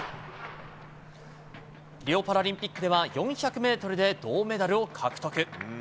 リオパラリンピックでは４００メートルで銅メダルを獲得。